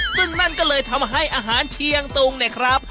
ซึ่งนั่นก็เลยทำให้อาหารเชียงตุงเนี่ยครับ